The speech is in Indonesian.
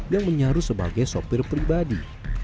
yang menyaru sebagai sopir pribadi